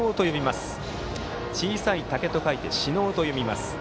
小さい竹と書いて「しのう」と読みます。